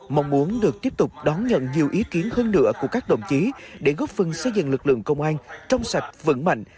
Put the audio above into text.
mong muốn được tiếp tục đón nhận nhiều ý kiến hơn nữa của các đồng chí để góp phần xây dựng lực lượng công an trong sạch vững mạnh